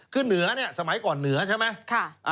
คือเหนือเนี่ยสมัยก่อนเหนือใช่ไหม